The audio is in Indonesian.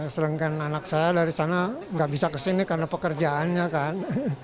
selain kan anak saya dari sana gak bisa kesini karena pekerjaannya kan